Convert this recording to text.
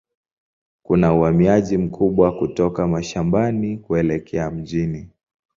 Kuna uhamiaji mkubwa kutoka mashambani kuelekea mjini.